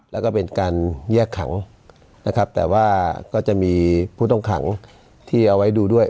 แล้วก็เป็นการแยกขังนะครับแต่ว่าก็จะมีผู้ต้องขังที่เอาไว้ดูด้วย